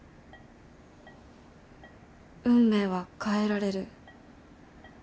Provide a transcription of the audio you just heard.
運命は変えられる。